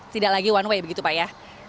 tidak lagi one way begitu pak ya